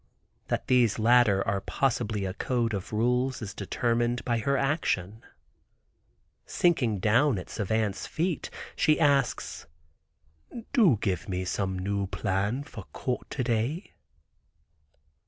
That these latter are possibly a code of rules is determined by her action. Sinking down at Savant's feet, she asks, "Do give me some new plan for court to day."